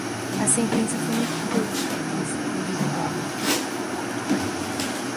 A sentença foi muito curta disse o advogado.